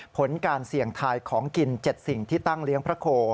ผลการเสี่ยงทายของกิน๗สิ่งที่ตั้งเลี้ยงพระโค